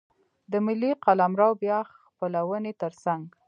د ملي قلمرو بیا خپلونې ترڅنګ.